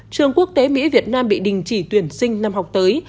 trường quốc tế mỹ việt nam bị đình chỉ tuyển sinh năm học tới